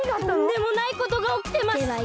とんでもないことがおきてます。